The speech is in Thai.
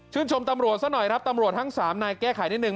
ชื่นชมตำรวจซะหน่อยตำรวจทั้ง๓นายแก้ไขนิดนึง